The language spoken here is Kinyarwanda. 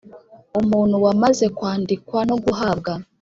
Umuntu wamaze kwandikwa no guhabwa